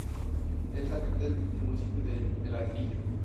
Es la capital del municipio El Hatillo.